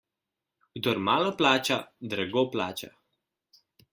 Kdor malo plača, drago plača.